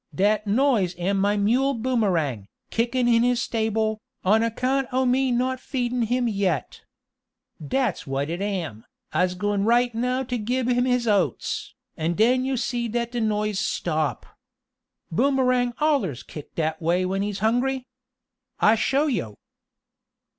"Dat noise am my mule Boomerang, kickin' in his stable, on account oh me not feedin' him yet. Dat's what it am. I'se gwine right now t' gib him his oats, and den yo' see dat de noise stop. Boomerang allers kick dat way when he's hungry. I show yo'!"